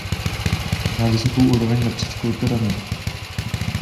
Má vysokou úroveň napříč kulturami.